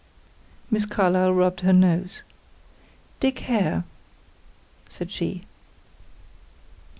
Miss Carlyle rubbed her nose. "Dick Hare," said she.